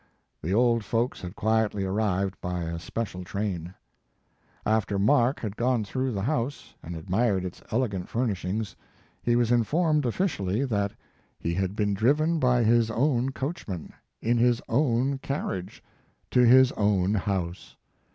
The old folks had quietly arrived by a special train. After Mark had gone through the house, and admired its elegant furnish ings, he was informed officially that he His Life and Work. 107 had been driven by his own coachman, in his own carriage, to his own house.